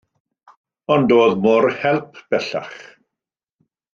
Ond doedd mo'r help bellach.